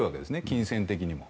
金銭的にも。